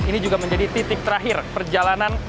ini juga menjadi titik terakhir perjalanan